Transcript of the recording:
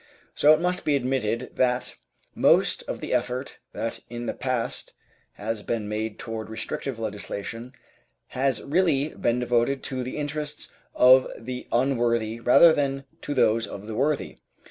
So it must be admitted that most of the effort that in the past has been made toward restrictive legislation has really been devoted to the interests of the unworthy rather than to those of the worthy.